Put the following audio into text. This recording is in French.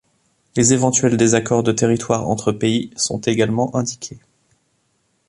Les éventuels désaccords de territoire entre pays sont également indiqués.